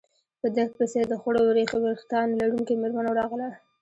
په ده پسې د خړو ورېښتانو لرونکې مېرمن ورغله.